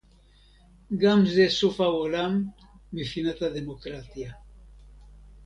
גם זה סוף העולם מבחינת הדמוקרטיה